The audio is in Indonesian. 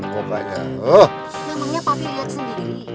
memangnya papi liat sendiri